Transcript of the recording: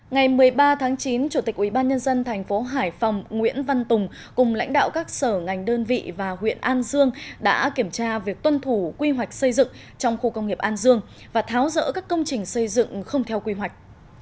ngày một mươi ba tháng chín chủ tịch ubnd tp hải phòng nguyễn văn tùng cùng lãnh đạo các sở ngành đơn vị và huyện an dương đã kiểm tra việc tuân thủ quy hoạch xây dựng trong khu công nghiệp an dương và tháo rỡ các công trình xây dựng không theo quy hoạch